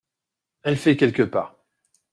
Elle fait quelques pas.